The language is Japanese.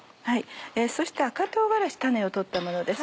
そして赤唐辛子種を取ったものです。